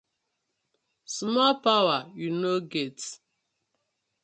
Small powar yu no get.